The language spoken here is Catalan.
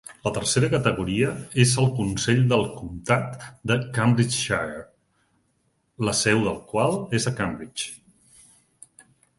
La tercera categoria és el Consell del Comtat de Cambridgeshire, la seu del qual és a Cambridge.